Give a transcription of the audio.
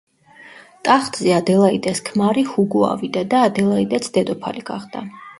ტახტზე ადელაიდას ქმარი ჰუგო ავიდა და ადელაიდაც დედოფალი გახდა.